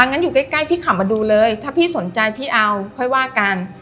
งั้นอยู่ใกล้พี่ขับมาดูเลยถ้าพี่สนใจพี่เอาค่อยว่ากัน